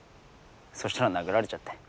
そしたら殴られちゃって。